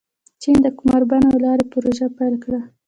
چین د کمربند او لارې پروژه پیل کړه.